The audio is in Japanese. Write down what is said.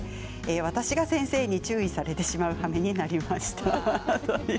私が先生に注意されてしまうはめになりました。